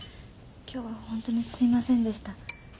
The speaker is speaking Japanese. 今日はホントにすいませんでした。